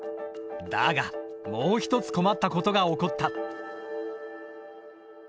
だがもう一つ困ったことが起こった。